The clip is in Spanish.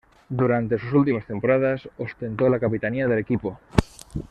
Durante sus últimas temporadas ostentó la capitanía del equipo.